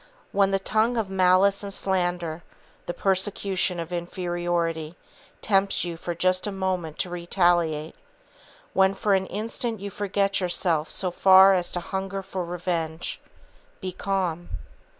When the tongue of malice and slander, the persecution of inferiority, tempts you for just a moment to retaliate, when for an instant you forget yourself so far as to hunger for revenge, be calm.